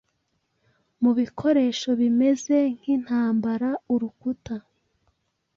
Mu bikoresho bimeze nkintambara urukuta